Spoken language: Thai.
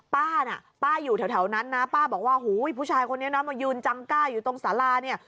ป้าน่ะป้าอยู่แถวนั้นนะป้าบอกว่าหูยผู้ชายคนนี้นะมายืนจังก้าอยู่ตรงสาราเนี่ย